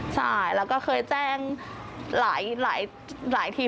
ใช่แล้วก็เคยแจ้งหลายที